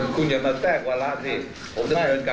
คุณอย่างนั้นคุณก็ผิดแล้วผมไม่ได้ต้นใจ